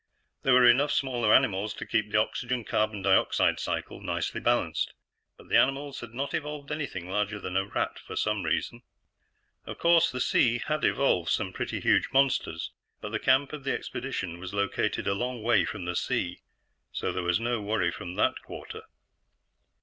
There were enough smaller animals to keep the oxygen carbon dioxide cycle nicely balanced, but the animals had not evolved anything larger than a rat, for some reason. Of course, the sea had evolved some pretty huge monsters, but the camp of the expedition was located a long way from the sea, so there was no worry from that quarter.